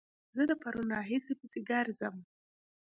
زه د پرون راهيسې پسې ګرځم